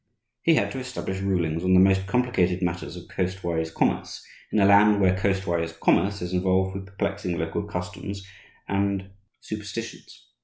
He had to establish rulings on the most complicated matters of coastwise commerce, in a land where coastwise commerce is involved with perplexing local customs and superstitions.